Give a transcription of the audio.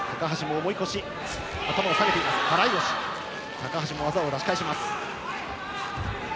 高橋も技を出し返す。